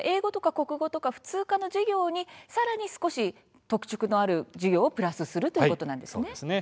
普通科の授業にさらに少し特色のある授業をプラスするということですね。